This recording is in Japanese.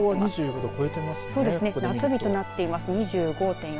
夏日となっています２５．４度。